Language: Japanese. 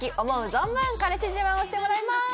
存分彼氏自慢をしてもらいます